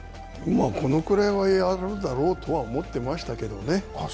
このくらいはやるだろうと思ってましたけどね。